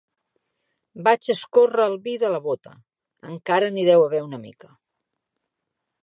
Vaig a escórrer el vi de la bota: encara n'hi deu haver una mica.